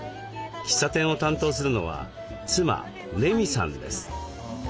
喫茶店を担当するのは妻麗美さんです。